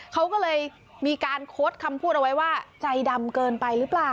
เขาก็เลยมีการโค้ดคำพูดเอาไว้ว่าใจดำเกินไปหรือเปล่า